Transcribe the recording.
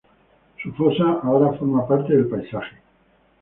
Su fosa ahora forma la parte del paisaje.